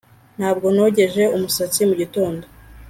Ntabwo nogeje umusatsi mugitondo